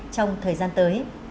trong thời gian tới